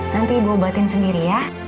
nanti ibu obatin sendiri ya